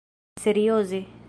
serioze